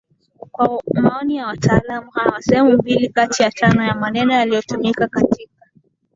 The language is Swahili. Kwa maoni ya wataalamu hawa sehemu mbili kati ya tano ya maneno yanayotumika katika